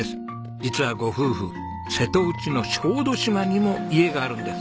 実はご夫婦瀬戸内の小豆島にも家があるんです。